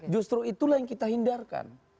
justru itulah yang kita hindarkan